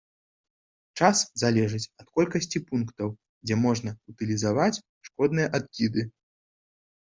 Час залежыць ад колькасці пунктаў, дзе можна ўтылізаваць шкодныя адкіды.